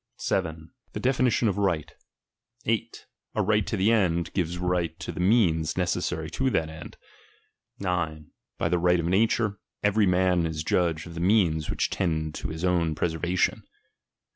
7. The definition of righl. 8. A ^ight to the end, givea a right to the means neceKsary to that ^tid, 9. By the right of nature, every man is judge of the ttieans which tend to his own preservation.